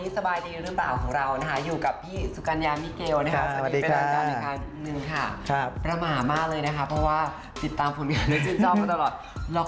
สบายดีหรือเปล่าข่าวไม่เคยรู้สูตรดูเธอไม่อยู่แอบดูแวะมอง